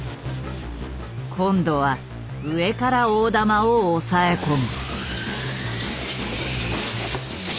今度は上から大玉を押さえ込む。